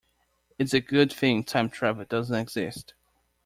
It's a good thing time travel doesn't exist.